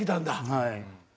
はい。